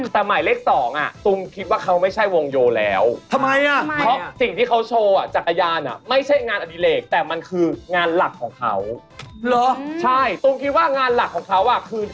ใช่ตุ้มคิดว่างานหลักของเขาคือ